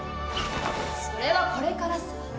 それはこれからさ。